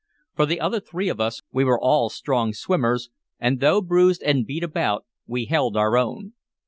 For the other three of us, we were all strong swimmers, and though bruised and beat about, we held our own.